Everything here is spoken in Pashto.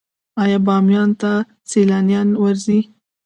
آیا بامیان ته سیلانیان ورځي؟